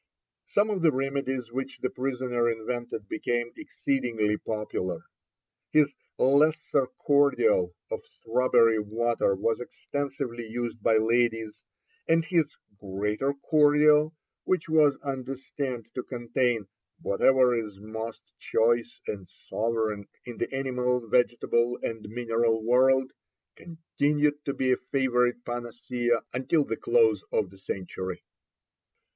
Some of the remedies which the prisoner invented became exceedingly popular. His 'lesser cordial' of strawberry water was extensively used by ladies, and his 'great cordial,' which was understand to contain 'whatever is most choice and sovereign in the animal, vegetable, and mineral world,' continued to be a favourite panacea until the close of the century.